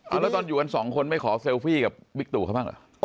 แล้วตอนอยู่กันสองคนไม่ขอเซลฟี่กับบิ๊กตู่เขาบ้างเหรอ